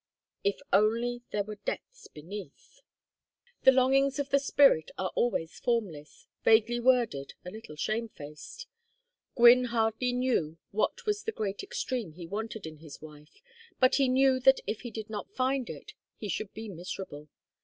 If only there were depths beneath. The longings of the spirit are always formless, vaguely worded, a little shamefaced. Gwynne hardly knew what was the great extreme he wanted in his wife, but he knew that if he did not find it he should be miserable.